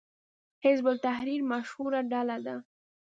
حزب التحریر مشهوره ډله ده